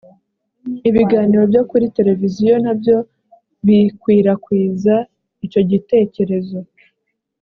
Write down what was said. ibiganiro byo kuri tereviziyo na byo bikwirakwiza icyo gitekerezo